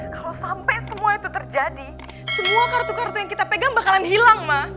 kalau sampai semua itu terjadi semua kartu kartu yang kita pegang bakalan hilang ma